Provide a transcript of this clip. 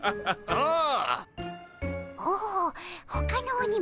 ああ。